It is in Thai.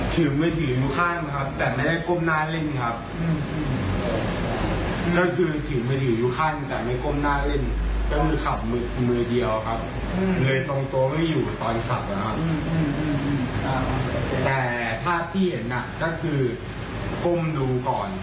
แต่ภาพที่เห็นน่ะก็คือก้มดูก่อน